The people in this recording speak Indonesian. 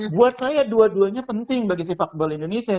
buat saya dua duanya penting bagi sepak bola indonesia